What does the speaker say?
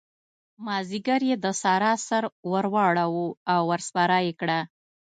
مازديګر يې د سارا سر ور واړاوو او ور سپره يې کړه.